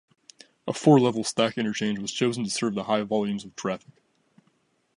A four-level stack interchange was chosen to serve the high volumes of traffic.